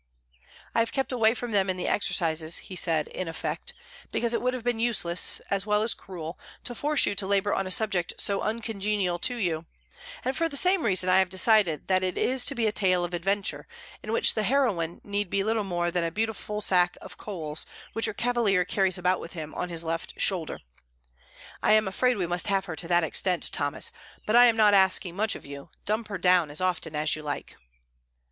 "I have kept away from them in the exercises," he said in effect, "because it would have been useless (as well as cruel) to force you to labour on a subject so uncongenial to you; and for the same reason I have decided that it is to be a tale of adventure, in which the heroine need be little more than a beautiful sack of coals which your cavalier carries about with him on his left shoulder. I am afraid we must have her to that extent, Thomas, but I am not asking much of you; dump her down as often as you like."